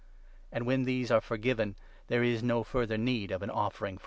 17 And, when these are forgiven, there is no further need of an 18 offering for sin.